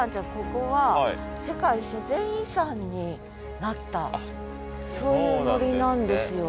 ここは世界自然遺産になったそういう森なんですよ。